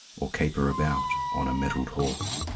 Or caper about on a mettled horse!